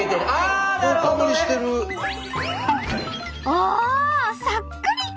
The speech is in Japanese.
おおそっくり！